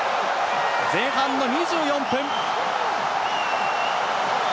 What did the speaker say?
前半の２４分！